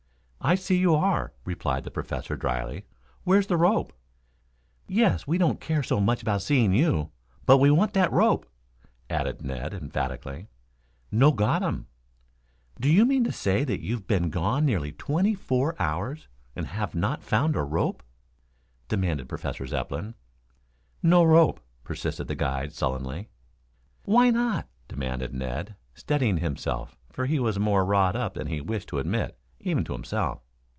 "I see you are," replied the Professor dryly. "Where's the rope?" "Yes; we don't care so much about seeing you, but we want that rope," added Ned emphatically. "No got um." "Do you mean to say you have been gone nearly twenty four hours and have not found a rope?" demanded Professor Zepplin. "No rope," persisted the guide sullenly. "Why not?" demanded Ned, steadying himself, for he was more wrought up than he wished to admit, even to himself.